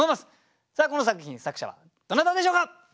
さあこの作品作者はどなたでしょうか？